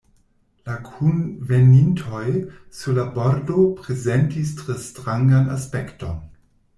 La kunvenintoj sur la bordo prezentis tre strangan aspekton.